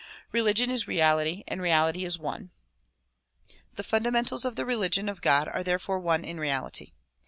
Religion is reality and reality is one. The fundamentals of the religion of God are therefore one in reality.